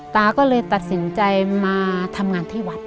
ตาก็เลยตัดสินใจมาทำงานที่วัด